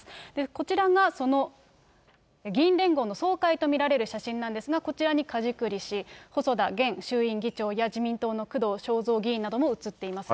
こちらがその議員連合の総会と見られる写真なんですが、こちらに梶栗氏、細田現衆院議長や自民党の工藤彰三議員なども写っています。